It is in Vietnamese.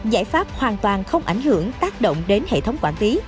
giải pháp hoàn toàn không ảnh hưởng tác động đến hệ thống quản lý